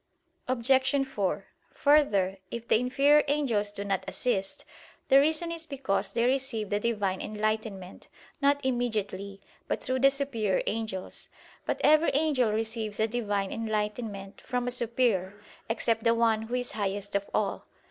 Obj. 4: Further, if the inferior angels do not assist, the reason is because they receive the Divine enlightenment, not immediately, but through the superior angels. But every angel receives the Divine enlightenment from a superior, except the one who is highest of all.